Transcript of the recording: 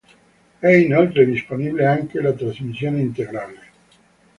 È inoltre disponibile anche la trasmissione integrale.